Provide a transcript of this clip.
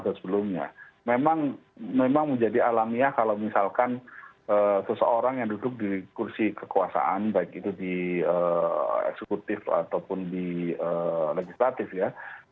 karena memang memang menjadi alamiah kalau misalkan seseorang yang duduk di kursi kekuasaan baik itu di eksekutif ataupun di legislatif ya